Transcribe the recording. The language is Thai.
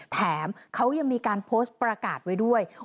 แถมเขายังมีการโพสต์ประกาศไว้ด้วย